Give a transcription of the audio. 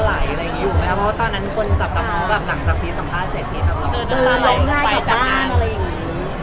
รอใหญ่ก่อบบ้านอะไรอย่างนี้